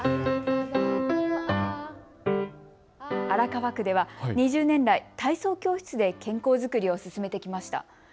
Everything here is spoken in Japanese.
荒川区では２０年来、体操教室で健康作りを進めてきました。